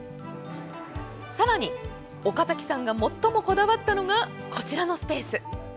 さらに、岡崎さんが最もこだわったのがこちらのスペース。